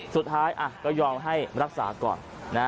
สุดท้ายก็ยอมให้รักษาก่อน